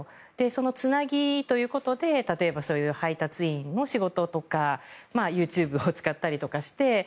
そのつなぎということで例えばそういう配達員の仕事とかＹｏｕＴｕｂｅを使ったりとかして。